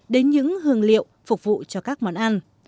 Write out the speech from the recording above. đến những hương liệu phục vụ cho các món ăn